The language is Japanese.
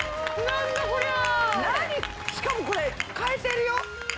なにしかもこれかえてるよ。